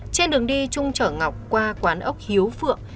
trên đường đi trung chở ngọc qua quán ốc hiếu phượng